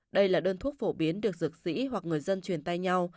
đây là đơn thuốc phổ biến được dược sĩ hoặc người dân truyền tay nhau